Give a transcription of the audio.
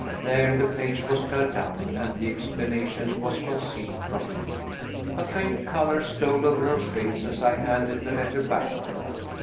There the page was turned down, and the explanation was concealed from me. A faint color stole over her face as I handed the letter back to her.